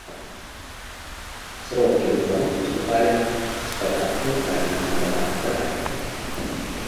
Сродкі ў фонд паступалі б з падатку, накладзенага на багатых палякаў.